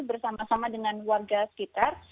bersama sama dengan warga sekitar